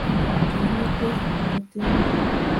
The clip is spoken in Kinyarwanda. David Gatende